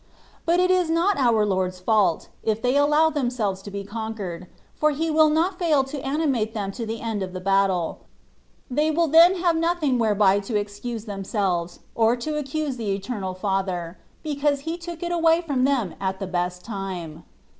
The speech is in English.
But it is not our Lord^s fault, if they allow themselves to be con quered, for He will not fail to animate them to the end of the battle : they will then have nothing whereby to excuse themselves, or to accuse the Eternal Father, because He took it away from them at the best time.